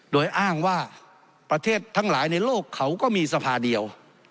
โดยอ้างว่าประเทศทั้งหลายในโลกเขาก็มีสภาเดียว